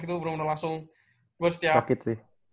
itu bener bener langsung gue setiap sakit sih